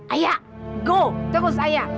ayah go terus ayah